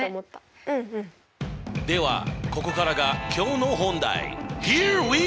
ではここからが今日の本題。